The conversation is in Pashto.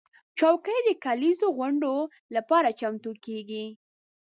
چوکۍ د کليزو غونډو لپاره چمتو کېږي.